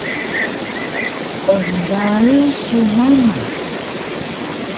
Embarig su manu?